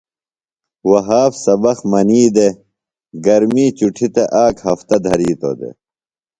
وھاب سبق منی دےۡ۔ گرمی چُٹیۡ تھےۡ آک ہفتہ دھرِیتوۡ دےۡ۔